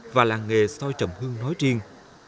và làng nghề soi trầm hương nói riêng